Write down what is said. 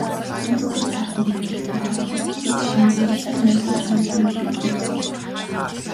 Дүрүүддээ таарсан жүжиглэлттэй хоолой бичээд, эхний байдлаар нийлүүлж эвлүүлэг хийдэг.